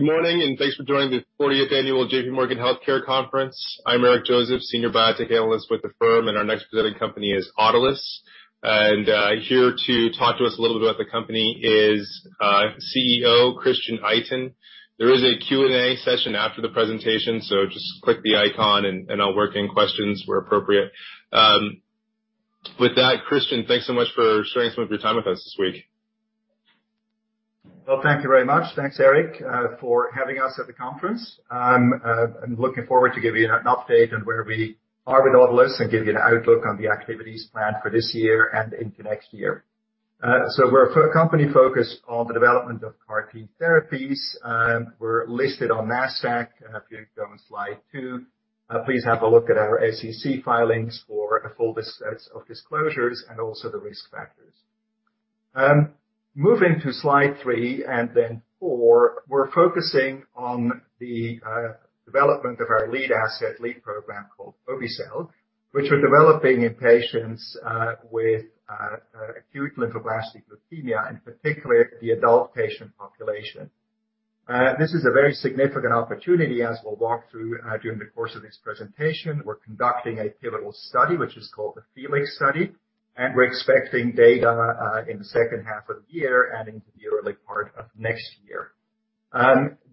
Good morning, and thanks for joining the 40th Annual JPMorgan Healthcare Conference. I'm Eric Joseph, Senior Biotech Analyst with the firm, and our next presenting company is Autolus. Here to talk to us a little bit about the company is CEO, Christian Itin. There is a Q&A session after the presentation, so just click the icon and I'll work in questions where appropriate. With that, Christian, thanks so much for sharing some of your time with us this week. Well, thank you very much. Thanks, Eric, for having us at the conference. I'm looking forward to giving you an update on where we are with Autolus and give you an outlook on the activities planned for this year and into next year. We're a company focused on the development of CAR T therapies. We're listed on Nasdaq. If you go on slide two, please have a look at our SEC filings for a full set of disclosures and also the risk factors. Moving to slide three and then four, we're focusing on the development of our lead asset, lead program called Obe-cel, which we're developing in patients with acute lymphoblastic leukemia, in particular the adult patient population. This is a very significant opportunity as we'll walk through during the course of this presentation. We're conducting a pivotal study, which is called the FELIX study, and we're expecting data in the second half of the year and into the early part of next year.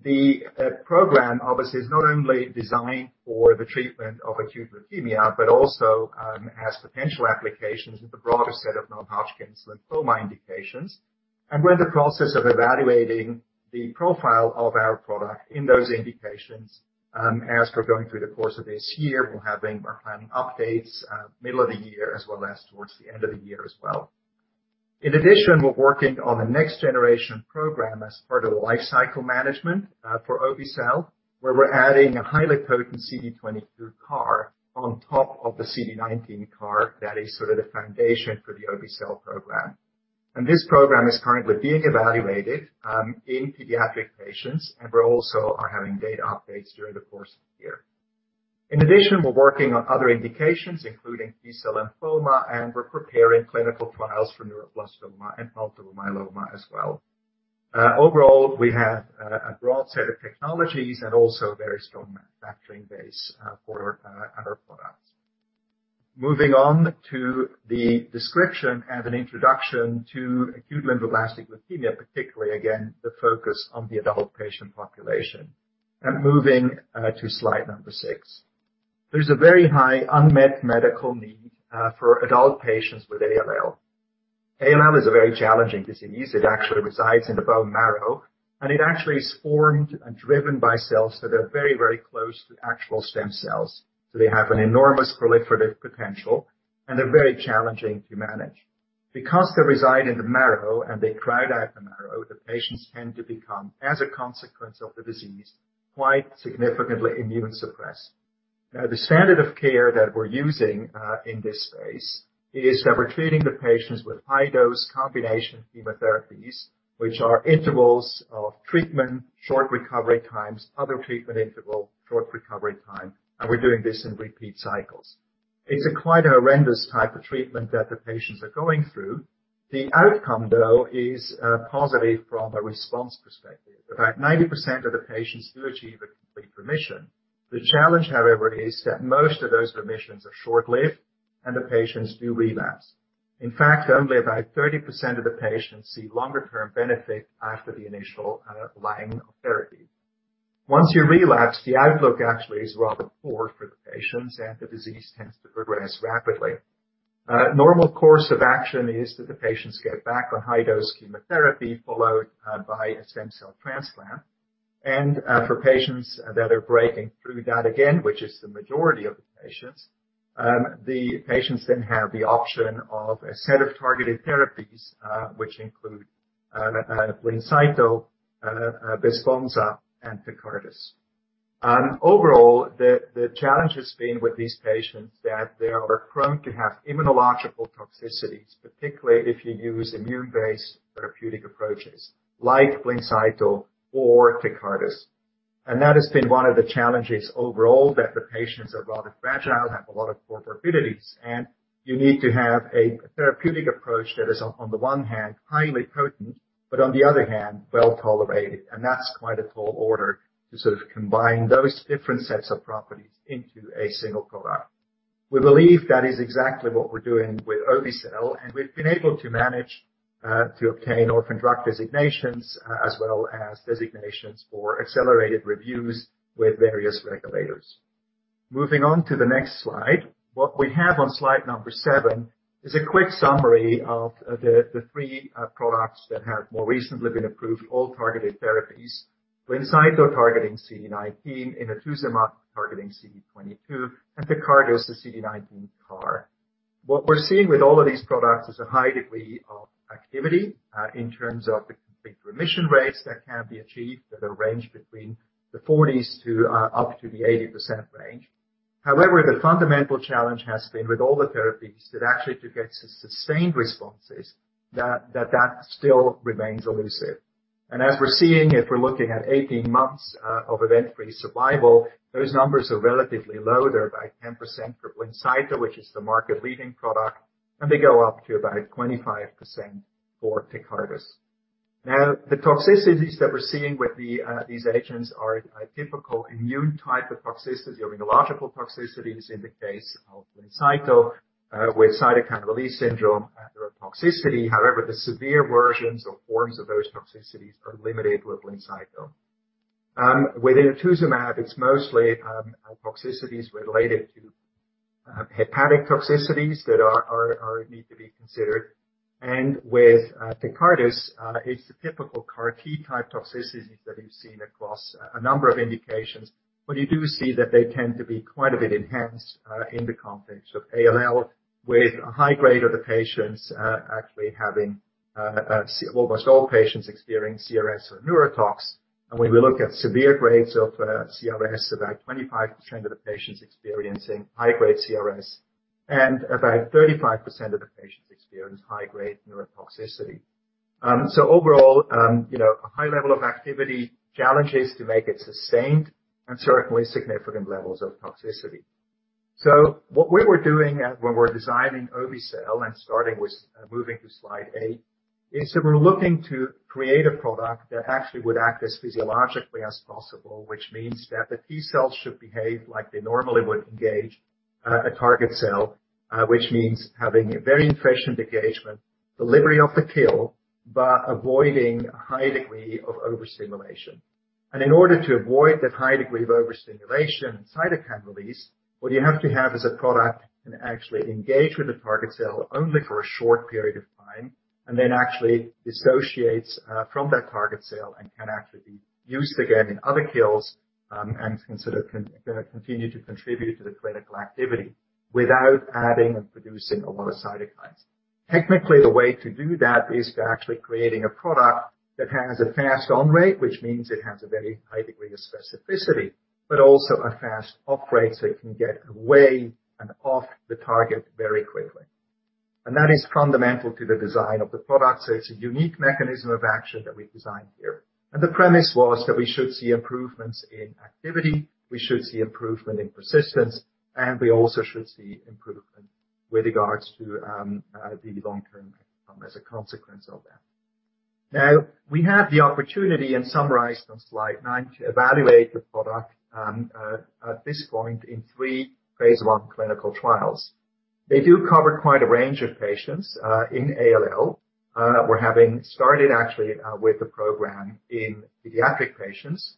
The program obviously is not only designed for the treatment of acute leukemia, but also has potential applications with a broader set of non-Hodgkin's lymphoma indications. We're in the process of evaluating the profile of our product in those indications, as we're going through the course of this year. We're planning updates middle of the year as well as towards the end of the year as well. In addition, we're working on the next generation program as part of the lifecycle management for Obe-cel, where we're adding a highly potent CD22 CAR on top of the CD19 CAR that is sort of the foundation for the Obe-cel program. This program is currently being evaluated in pediatric patients, and we also are having data updates during the course of the year. In addition, we're working on other indications, including T cell lymphoma, and we're preparing clinical trials for neuroblastoma and multiple myeloma as well. Overall, we have a broad set of technologies and also a very strong manufacturing base for our products. Moving on to the description and an introduction to acute lymphoblastic leukemia, particularly again, the focus on the adult patient population. Moving to slide number six. There's a very high unmet medical need for adult patients with ALL. ALL is a very challenging disease. It actually resides in the bone marrow, and it actually is formed and driven by cells that are very, very close to actual stem cells. They have an enormous proliferative potential, and they're very challenging to manage. Because they reside in the marrow and they crowd out the marrow, the patients tend to become, as a consequence of the disease, quite significantly immune suppressed. Now, the standard of care that we're using in this space is that we're treating the patients with high dose combination chemotherapies, which are intervals of treatment, short recovery times, other treatment interval, short recovery time, and we're doing this in repeat cycles. It's a quite horrendous type of treatment that the patients are going through. The outcome, though, is positive from a response perspective. About 90% of the patients do achieve a complete remission. The challenge, however, is that most of those remissions are short-lived and the patients do relapse. In fact, only about 30% of the patients see longer term benefit after the initial line of therapy. Once you relapse, the outlook actually is rather poor for the patients, and the disease tends to progress rapidly. Normal course of action is that the patients get back on high-dose chemotherapy followed by a stem cell transplant. For patients that are breaking through that again, which is the majority of the patients, the patients then have the option of a set of targeted therapies, which include Blincyto, Besponsa, and Tecartus. Overall, the challenge has been with these patients that they are prone to have immunological toxicities, particularly if you use immune-based therapeutic approaches like Blincyto or Tecartus. That has been one of the challenges overall, that the patients are rather fragile, have a lot of comorbidities, and you need to have a therapeutic approach that is on the one hand, highly potent, but on the other hand, well-tolerated. That's quite a tall order to sort of combine those different sets of properties into a single product. We believe that is exactly what we're doing with Obe-cel, and we've been able to manage to obtain orphan drug designations as well as designations for accelerated reviews with various regulators. Moving on to the next slide. What we have on slide number seven is a quick summary of the three products that have more recently been approved, all targeted therapies. Blincyto targeting CD19, Inotuzumab targeting CD22, and Tecartus, the CD19 CAR. What we're seeing with all of these products is a high degree of activity in terms of the complete remission rates that can be achieved at a range between 40% to up to the 80% range. However, the fundamental challenge has been with all the therapies that actually to get sustained responses that still remains elusive. As we're seeing, if we're looking at 18 months of event-free survival, those numbers are relatively low. They're about 10% for Blincyto, which is the market-leading product, and they go up to about 25% for Tecartus. Now, the toxicities that we're seeing with these agents are a typical immune type of toxicity or immunological toxicities in the case of Blincyto with cytokine release syndrome neurotoxicity. However, the severe versions or forms of those toxicities are limited with Blincyto. With Inotuzumab, it's mostly toxicities related to hepatic toxicities that are need to be considered. With Tecartus, it's the typical CAR T type toxicities that we've seen across a number of indications. You do see that they tend to be quite a bit enhanced in the context of ALL, with a high grade of the patients actually having almost all patients experience CRS or neurotoxicity. When we look at severe grades of CRS, about 25% of the patients experiencing high grade CRS, and about 35% of the patients experience high grade neurotoxicity. Overall, you know, a high level of activity, challenges to make it sustained and certainly significant levels of toxicity. What we were doing when we're designing Obe-cel and starting with moving to slide eight is that we're looking to create a product that actually would act as physiologically as possible, which means that the T cells should behave like they normally would engage a target cell, which means having a very efficient engagement, delivery of the kill, but avoiding a high degree of overstimulation. In order to avoid that high degree of overstimulation and cytokine release, what you have to have is a product that can actually engage with the target cell only for a short period of time, and then actually dissociates from that target cell and can actually be used again in other kills, and continue to contribute to the clinical activity without adding and producing a lot of cytokines. Technically, the way to do that is to actually create a product that has a fast on rate, which means it has a very high degree of specificity, but also a fast off rate, so it can get away and off the target very quickly. That is fundamental to the design of the product. It's a unique mechanism of action that we've designed here. The premise was that we should see improvements in activity, we should see improvement in persistence, and we also should see improvement with regards to the long-term outcome as a consequence of that. Now, we have the opportunity as summarized on slide nine, to evaluate the product at this point in three phase I clinical trials. They do cover quite a range of patients in ALL. We're having started actually with the program in pediatric patients,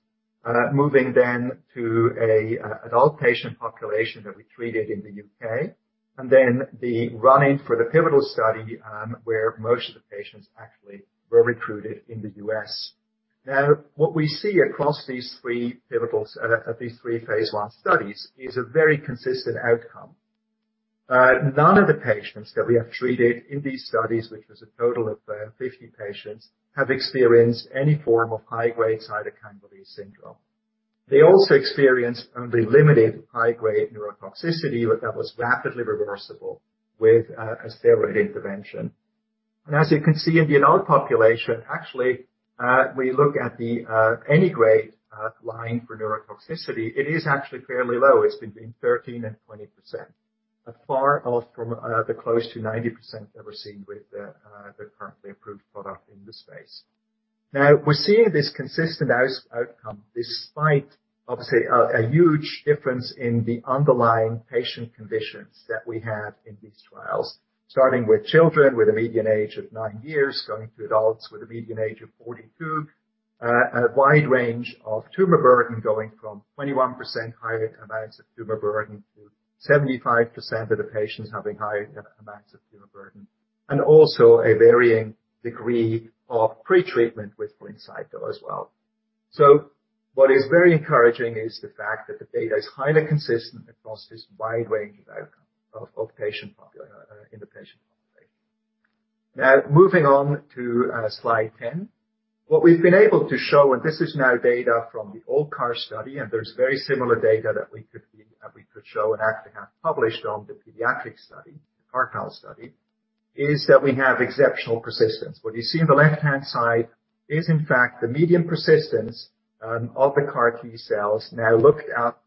moving then to a adult patient population that we treated in the U.K. Then the run-in for the pivotal study, where most of the patients actually were recruited in the U.S. Now, what we see across these three pivotal these three phase I studies is a very consistent outcome. None of the patients that we have treated in these studies, which was a total of 50 patients, have experienced any form of high-grade cytokine release syndrome. They also experienced only limited high-grade neurotoxicity, but that was rapidly reversible with a steroid intervention. As you can see in the adult population, actually we look at the any grade line for neurotoxicity, it is actually fairly low. It's between 13%-20%. Far off from the close to 90% that we're seeing with the currently approved product in this space. We're seeing this consistent outcome despite obviously a huge difference in the underlying patient conditions that we have in these trials, starting with children with a median age of nine years, going to adults with a median age of 42. A wide range of tumor burden going from 21% higher amounts of tumor burden to 75% of the patients having high amounts of tumor burden. Also a varying degree of pretreatment with Blincyto as well. What is very encouraging is the fact that the data is highly consistent across this wide range of outcome in the patient population. Now, moving on to slide 10. What we've been able to show, and this is now data from the ALLCAR study, and there's very similar data that we could show and actually have published on the pediatric study, the CARPALL study, is that we have exceptional persistence. What you see on the left-hand side is in fact the median persistence of the CAR T cells now looked at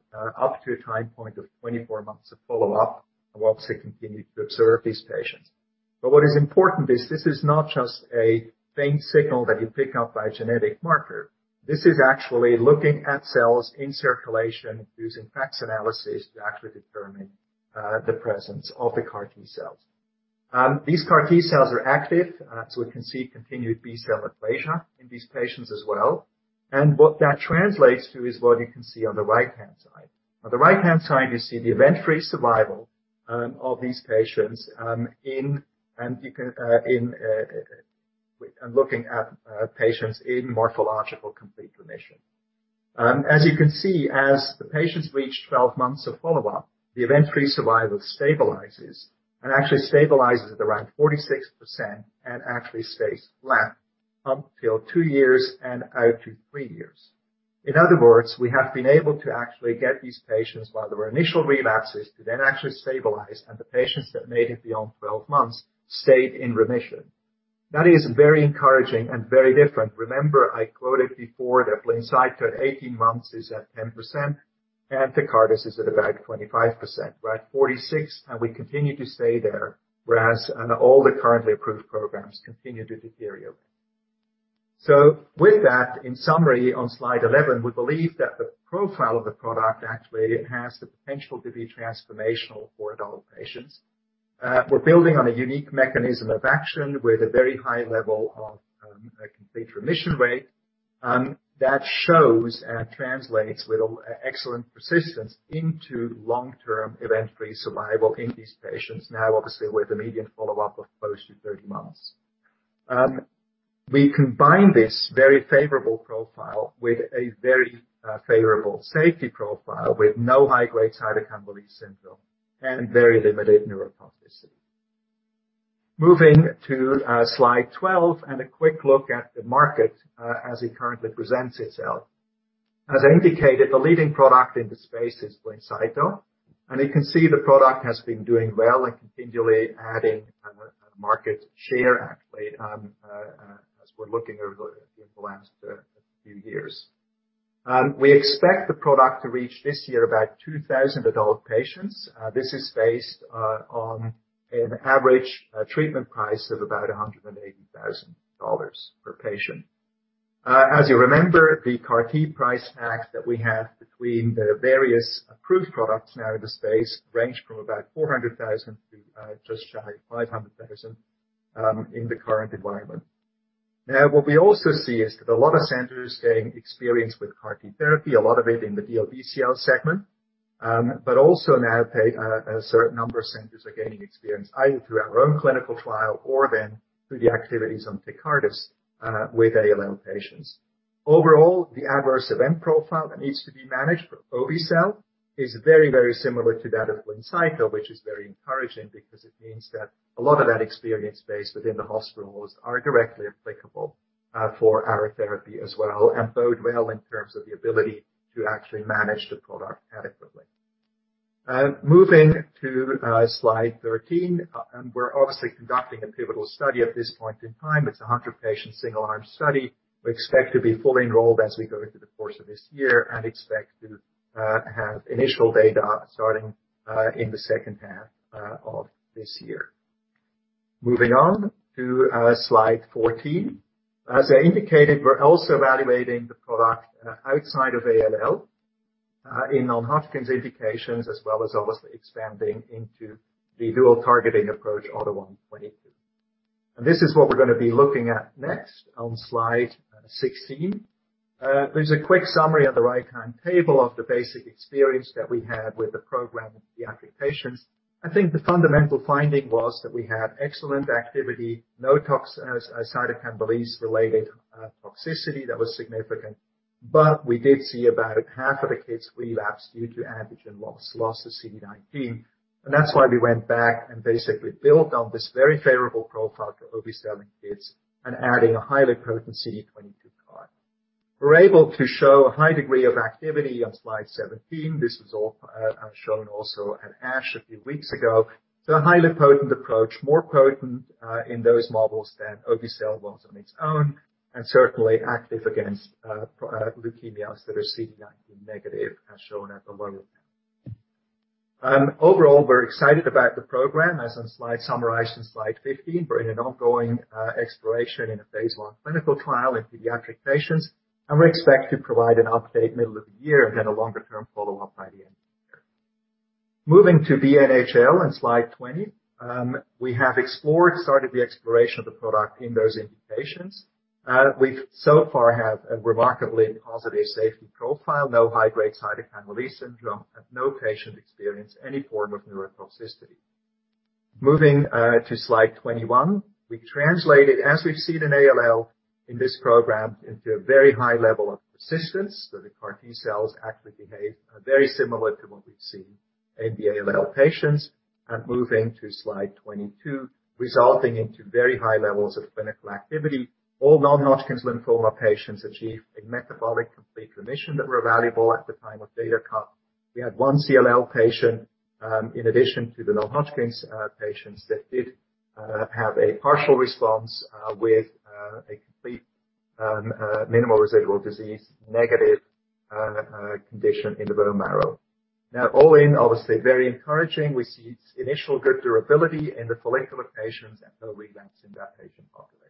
up to a time point of 24 months of follow-up, and we obviously continue to observe these patients. What is important is this is not just a faint signal that you pick up by a genetic marker. This is actually looking at cells in circulation using FACS analysis to actually determine the presence of the CAR T cells. These CAR T cells are active, so we can see continued B cell aplasia in these patients as well. What that translates to is what you can see on the right-hand side. On the right-hand side, you see the event-free survival of these patients, looking at patients in morphological complete remission. As you can see, as the patients reach 12 months of follow-up, the event-free survival stabilizes, and actually stabilizes at around 46% and actually stays flat up till two years and out to three years. In other words, we have been able to actually get these patients by their initial relapses to then actually stabilize, and the patients that made it beyond 12 months stayed in remission. That is very encouraging and very different. Remember, I quoted before that Blincyto at 18 months is at 10%. And Tecartus is at about 25%, right? 46%, and we continue to stay there whereas on all the currently approved programs continue to deteriorate. With that, in summary, on slide 11, we believe that the profile of the product actually it has the potential to be transformational for adult patients. We're building on a unique mechanism of action with a very high level of a complete remission rate that shows and translates with excellent persistence into long-term event-free survival in these patients now, obviously, with a median follow-up of close to 30 months. We combine this very favorable profile with a very favorable safety profile with no high-grade cytokine release syndrome and very limited neurotoxicity. Moving to slide 12 and a quick look at the market as it currently presents itself. As I indicated, the leading product in this space is Blincyto, and you can see the product has been doing well and continually adding market share actually, as we're looking over the last few years. We expect the product to reach this year about 2,000 adult patients. This is based on an average treatment price of about $180,000 per patient. As you remember, the CAR T price tags that we have between the various approved products now in the space range from about $400,000 to just shy of $500,000 in the current environment. Now, what we also see is that a lot of centers gaining experience with CAR T therapy, a lot of it in the DLBCL segment. A certain number of centers are gaining experience either through our own clinical trial or through the activities on Tecartus with ALL patients. Overall, the adverse event profile that needs to be managed for Obe-cel is very, very similar to that of Blincyto, which is very encouraging because it means that a lot of that experience base within the hospitals are directly applicable for our therapy as well and bode well in terms of the ability to actually manage the product adequately. Moving to slide 13, we're obviously conducting a pivotal study at this point in time. It's a 100-patient single-arm study. We expect to be fully enrolled as we go through the course of this year and expect to have initial data starting in the second half of this year. Moving on to slide 14. As I indicated, we're also evaluating the product outside of ALL in non-Hodgkin's indications as well as obviously expanding into the dual targeting approach AUTO1/22. This is what we're gonna be looking at next on slide 16. There's a quick summary on the right-hand table of the basic experience that we had with the program in pediatric patients. I think the fundamental finding was that we had excellent activity, no cytokine release related toxicity that was significant. We did see about half of the kids relapse due to antigen loss of CD19. That's why we went back and basically built on this very favorable profile for Obe-cel in kids and adding a highly potent CD22 CAR. We're able to show a high degree of activity on slide 17. This was all shown also at ASH a few weeks ago. It's a highly potent approach, more potent in those models than Obe-cel was on its own, and certainly active against pro-B leukemias that are CD19 negative, as shown at the bottom. Overall, we're excited about the program, summarized on slide 15. We're in an ongoing exploration in a phase I clinical trial in pediatric patients, and we expect to provide an update middle of the year and then a longer-term follow-up by the end of the year. Moving to B-NHL on slide 20. We have started the exploration of the product in those indications. We so far have a remarkably positive safety profile, no high-grade cytokine release syndrome, and no patient experienced any form of neurotoxicity. Moving to slide 21. We translated, as we've seen in ALL in this program, into a very high level of persistence, that the CAR T cells actually behave very similar to what we've seen in the ALL patients. Moving to slide 22, resulting in very high levels of clinical activity. All non-Hodgkin's lymphoma patients achieved a metabolic complete remission that were evaluable at the time of data cut. We had one CLL patient in addition to the non-Hodgkin's patients that did have a partial response with a complete minimal residual disease negative condition in the bone marrow. Now, all in, obviously very encouraging. We see initial good durability in the follicular patients and no relapse in that patient population.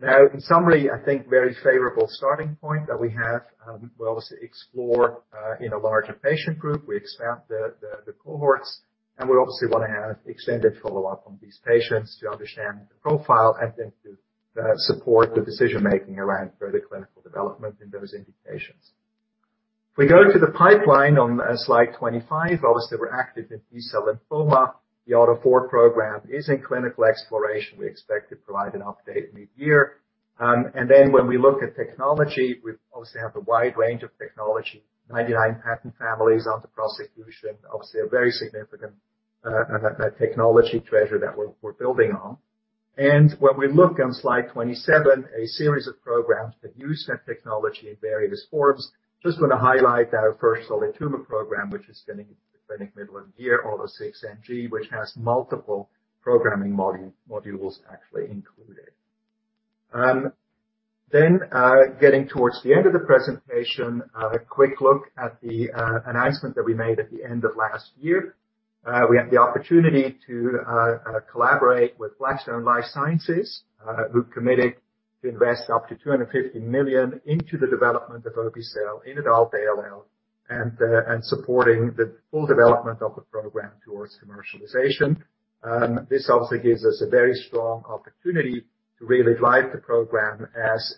Now, in summary, I think very favorable starting point that we have. We'll obviously explore in a larger patient group. We expand the cohorts, and we obviously wanna have extended follow-up on these patients to understand the profile and then to support the decision-making around further clinical development in those indications. If we go to the pipeline on slide 25, obviously, we're active in T cell lymphoma. The AUTO4 program is in clinical exploration. We expect to provide an update mid-year. When we look at technology, we obviously have a wide range of technology, 99 patent families under prosecution. Obviously, a very significant technology treasure that we're building on. When we look on slide 27, a series of programs that use that technology in various forms. Just wanna highlight our first solid tumor program, which is gonna hit the clinic middle of the year, AUTO6NG, which has multiple programming modules actually included. Then, getting towards the end of the presentation, a quick look at the announcement that we made at the end of last year. We have the opportunity to collaborate with Blackstone Life Sciences, who committed to invest up to $250 million into the development of Obe-cel in adult ALL and supporting the full development of the program towards commercialization. This also gives us a very strong opportunity to really drive the program as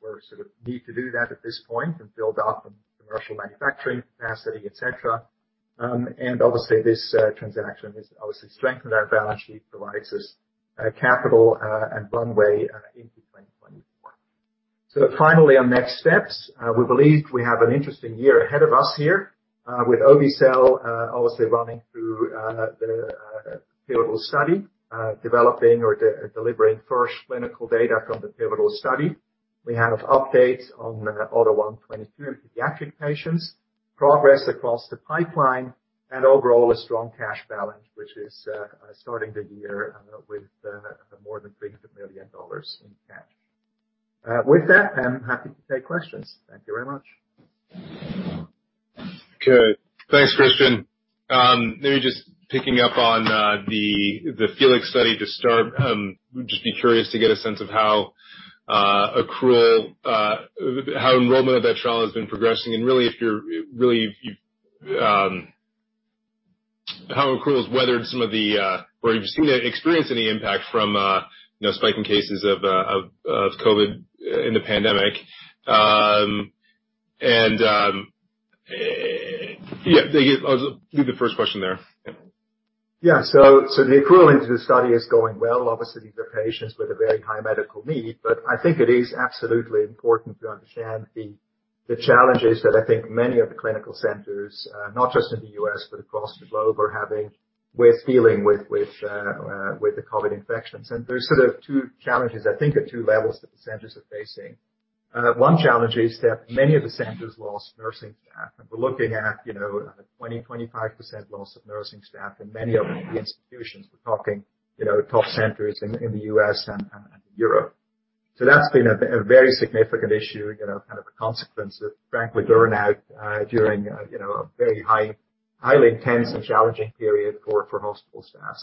we sort of need to do that at this point and build out the commercial manufacturing capacity, etc. Obviously, this transaction has obviously strengthened our balance sheet, provides us capital and runway into 2024. Finally, on next steps, we believe we have an interesting year ahead of us here with Obe-cel, obviously running through the pivotal study, delivering first clinical data from the pivotal study. We have updates on AUTO1/22 in pediatric patients, progress across the pipeline, and overall a strong cash balance, which is starting the year with more than $300 million in cash. With that, I'm happy to take questions. Thank you very much. Good. Thanks, Christian. Maybe just picking up on the FELIX study to start. Would just be curious to get a sense of how accrual how enrollment of that trial has been progressing. Really if you're really you how accrual has weathered some of the or if you've seen or experienced any impact from you know spike in cases of of COVID in the pandemic. Yeah, I'll give you the first question there. Yeah, the accrual into the study is going well. Obviously, these are patients with a very high medical need, but I think it is absolutely important to understand the challenges that I think many of the clinical centers, not just in the U.S. but across the globe are having with dealing with the COVID infections. There are sort of two challenges, I think at two levels that the centers are facing. One challenge is that many of the centers lost nursing staff. We're looking at 20%-25% loss of nursing staff in many of the institutions. We're talking top centers in the U.S. and Europe. That's been a very significant issue, you know, kind of a consequence of, frankly, burnout during, you know, a very highly intense and challenging period for hospital staff.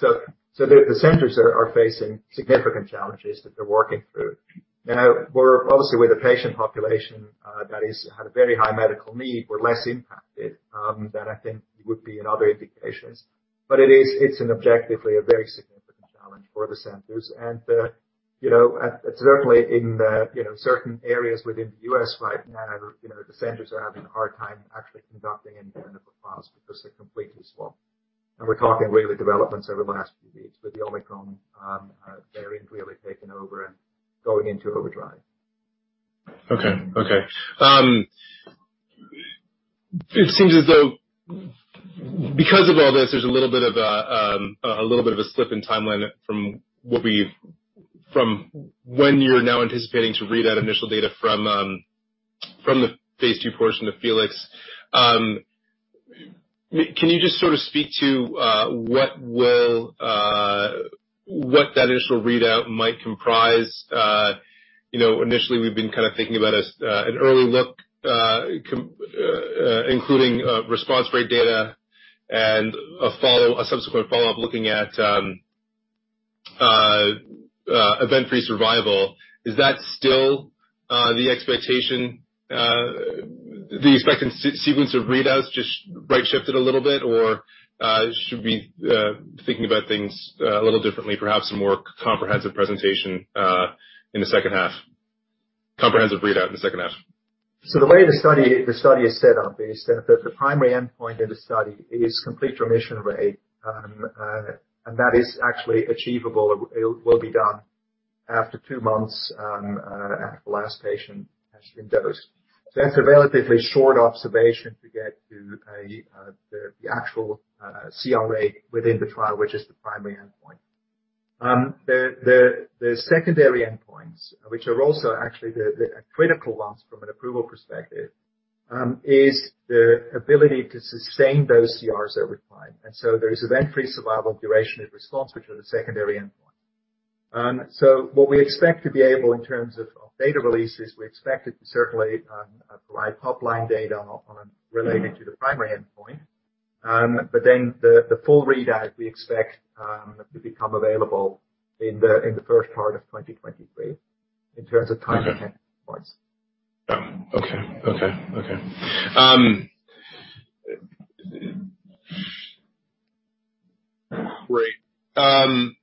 The centers are facing significant challenges that they're working through. Now, we're obviously with a patient population that has had a very high medical need. We're less impacted than I think it would be in other indications. It is an objectively very significant challenge for the centers. Certainly in certain areas within the U.S. right now, you know, the centers are having a hard time actually conducting any clinical trials because they're completely swamped. We're talking recent developments over the last few weeks with the Omicron variant really taking over and going into overdrive. Okay. It seems as though because of all this, there's a little bit of a slip in timeline from when you're now anticipating to read that initial data from the phase II portion of FELIX. Can you just sort of speak to what that initial readout might comprise? You know, initially we've been kind of thinking about as an early look including response rate data and a subsequent follow-up looking at event-free survival. Is that still the expectation, the expected sequence of readouts just right shifted a little bit? Or should we be thinking about things a little differently, perhaps a more comprehensive presentation in the second half? Comprehensive readout in the second half. The way the study is set up is that the primary endpoint in the study is complete remission rate. That is actually achievable. It will be done after two months after the last patient has been dosed. That's a relatively short observation to get to the actual CR rate within the trial, which is the primary endpoint. The secondary endpoints, which are also actually the critical ones from an approval perspective, is the ability to sustain those CRs over time. There is event-free survival and duration of response, which are the secondary endpoint. What we expect to be able in terms of data releases, we expect to certainly provide top-line data on related to the primary endpoint. The full readout we expect to become available in the first part of 2023 in terms of timing points. Okay. Great.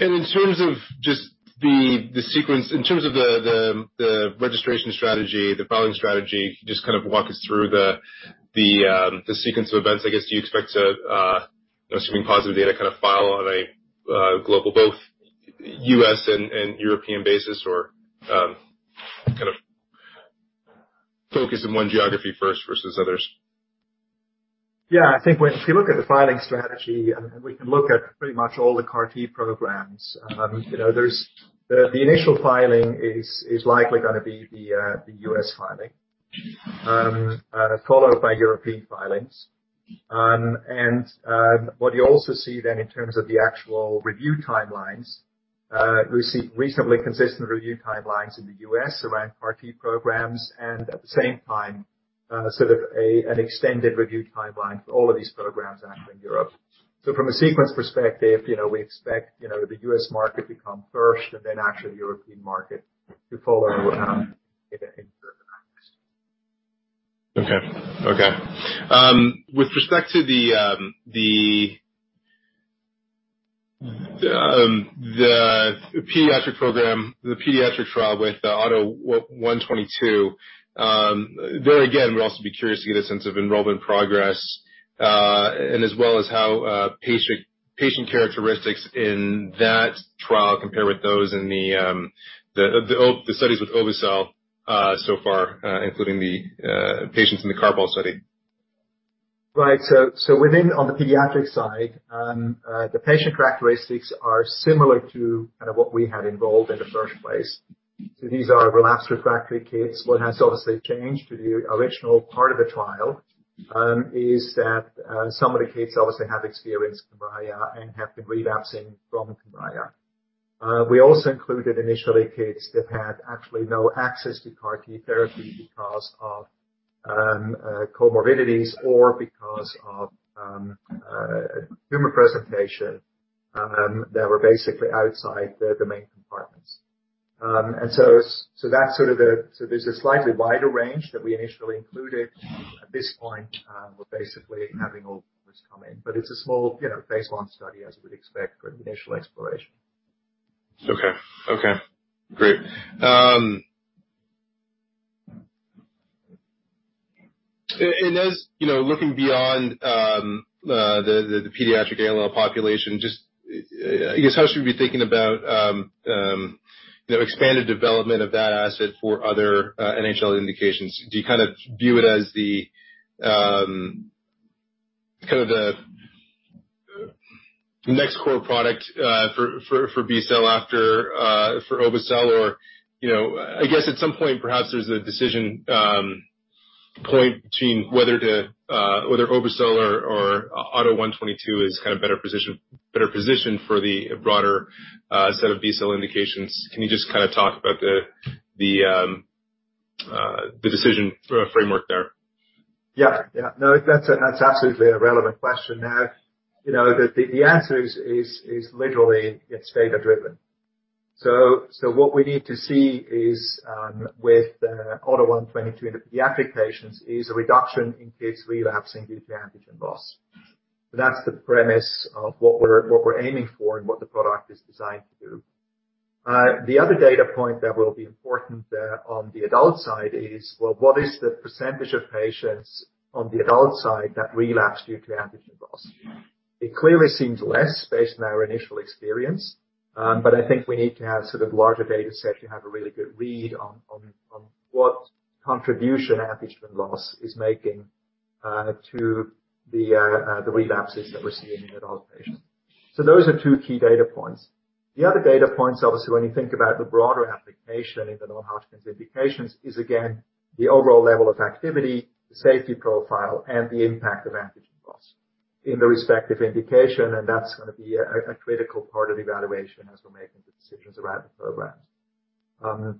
In terms of the registration strategy, the filing strategy, can you just kind of walk us through the sequence of events? I guess, do you expect to, assuming positive data, kind of file on a global, both U.S. and European basis or kind of focus in one geography first versus others? Yeah, I think when you look at the filing strategy, and we can look at pretty much all the CAR T programs, you know, there's the initial filing is likely gonna be the U.S. filing. Followed by European filings. What you also see then in terms of the actual review timelines, we see reasonably consistent review timelines in the U.S. around CAR T programs, and at the same time, sort of an extended review timeline for all of these programs actually in Europe. From a sequence perspective, you know, we expect, you know, the U.S. market to come first and then actually European market to follow, in certain aspects. Okay. With respect to the pediatric program, the pediatric trial with the AUTO1/22, there again, we'd also be curious to get a sense of enrollment progress, and as well as how patient characteristics in that trial compare with those in the old studies with Obe-cel so far, including the patients in the CARPALL study. Right. Within the pediatric side, the patient characteristics are similar to kind of what we had enrolled in the first place. These are relapsed refractory kids. What has obviously changed with the original part of the trial is that some of the kids obviously have experienced KYMRIAH and have been relapsing from KYMRIAH. We also included initially kids that had actually no access to CAR T therapy because of comorbidities or because of tumor presentation that were basically outside the domain compartments. That's sort of a slightly wider range that we initially included. At this point, we're basically having all this come in, but it's a small, you know, baseline study as we'd expect for an initial exploration. Okay. Great. As you know, looking beyond the pediatric ALL population, just I guess how should we be thinking about, you know, expanded development of that asset for other NHL indications? Do you kind of view it as the kind of next core product for B cell after for Obe-cel? Or, you know, I guess at some point perhaps there's a decision point between whether Obe-cel or AUTO1/22 is kind of better position, better positioned for the broader set of B cell indications. Can you just kinda talk about the decision framework there? Yeah. Yeah. No, that's absolutely a relevant question. Now, you know, the answer is literally it's data-driven. So what we need to see is, with AUTO1/22 in the pediatric patients is a reduction in cases relapsing due to antigen loss. That's the premise of what we're aiming for and what the product is designed to do. The other data point that will be important on the adult side is, well, what is the percentage of patients on the adult side that relapse due to antigen loss? It clearly seems less based on our initial experience, but I think we need to have sort of larger data set to have a really good read on what contribution antigen loss is making to the relapses that we're seeing in adult patients. Those are two key data points. The other data points, obviously, when you think about the broader application in the non-Hodgkin's indications is again, the overall level of activity, safety profile, and the impact of antigen loss in the respective indication. That's gonna be a critical part of evaluation as we're making the decisions around the programs.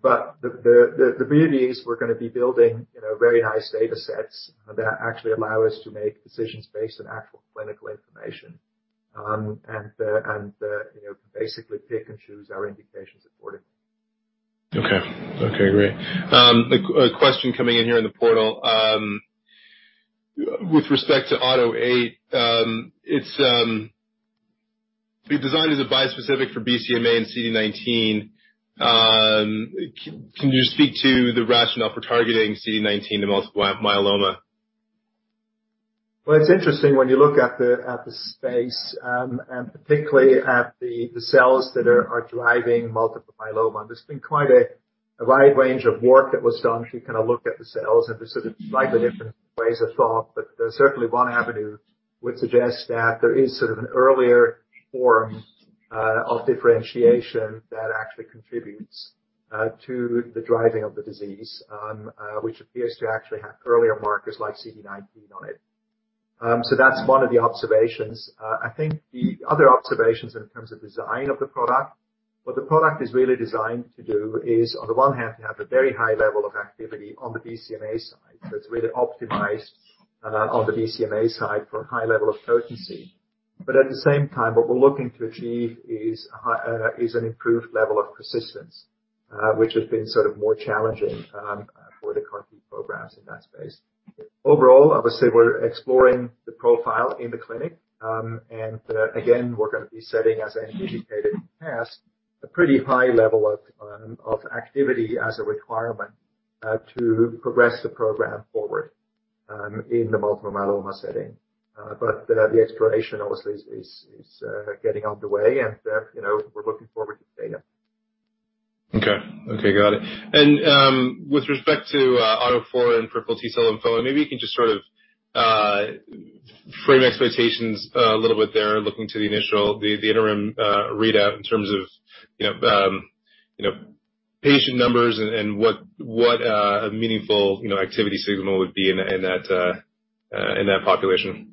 The beauty is we're gonna be building, you know, very nice data sets that actually allow us to make decisions based on actual clinical information, and then, you know, basically pick and choose our indications going forward. A question coming in here in the portal with respect to AUTO8. It's to be designed as a bispecific for BCMA and CD19. Can you just speak to the rationale for targeting CD19 in multiple myeloma? Well, it's interesting when you look at the space and particularly at the cells that are driving multiple myeloma. There's been quite a wide range of work that was done to kinda look at the cells, and there's sort of slightly different ways of thought. Certainly one avenue would suggest that there is sort of an earlier form of differentiation that actually contributes to the driving of the disease, which appears to actually have earlier markers like CD19 on it. That's one of the observations. I think the other observations in terms of design of the product, what the product is really designed to do is on the one hand, to have a very high level of activity on the BCMA side. It's really optimized on the BCMA side for a high level of potency. At the same time, what we're looking to achieve is an improved level of persistence, which has been sort of more challenging for the CAR T programs in that space. Overall, obviously, we're exploring the profile in the clinic. Again, we're gonna be setting, as I indicated in the past, a pretty high level of activity as a requirement to progress the program forward in the multiple myeloma setting. The exploration obviously is getting underway, and you know, we're looking forward to the data. Okay. Okay, got it. With respect to AUTO4 and peripheral T cell lymphoma, maybe you can just sort of frame expectations a little bit there looking to the initial, the interim readout in terms of you know, you know, patient numbers and what a meaningful you know, activity signal would be in that population,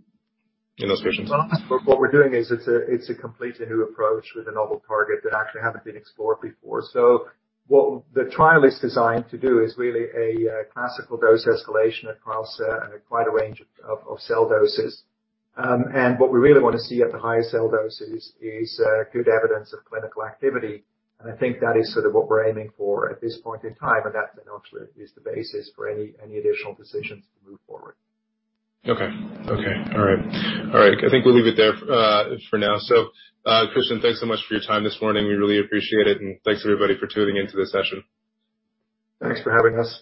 in those patients. Well, what we're doing is it's a completely new approach with a novel target that actually haven't been explored before. What the trial is designed to do is really classical dose escalation across quite a range of cell doses. What we really wanna see at the higher cell doses is good evidence of clinical activity. I think that is sort of what we're aiming for at this point in time, and that then ultimately is the basis for any additional decisions to move forward. Okay. All right. I think we'll leave it there for now. Christian, thanks so much for your time this morning. We really appreciate it, and thanks everybody for tuning into this session. Thanks for having us.